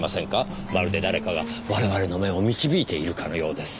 まるで誰かが我々の目を導いているかのようです。